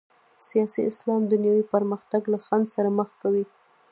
سیاسي اسلام دنیوي پرمختګ له خنډ سره مخ کوي.